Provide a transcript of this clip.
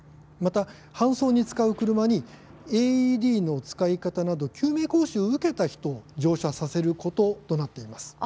また、搬送に使う車にＡＥＤの使い方など救命講習を受けた人を乗車させることとなっています。